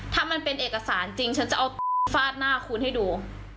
ถ้ามันเป็นเอกสารจริงฉันจะเอาฟาดหน้าคุณให้ดู